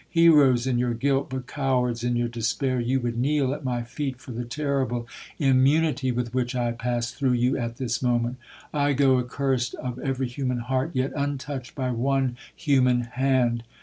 Heroes in your guilt, but cowards in your despair, you would kneel at my feet for the terrible immunity with which I pass through you at this moment.—I go accursed of every human heart, yet untouched by one human hand!'